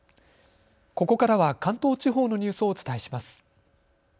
ここからは関東地方のニュースをお伝えします。